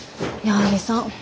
矢作さん